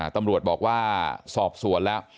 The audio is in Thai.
ตำรวจบอกว่าสอบสวนแล้ว